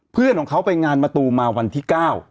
เพื่อนของเขาไปงานประตูมาวันที่๙